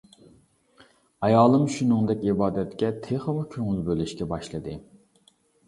ئايالىم شۇنىڭدەك ئىبادەتكە تېخىمۇ كۆڭۈل بۆلۈشكە باشلىدى.